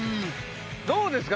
どうですか？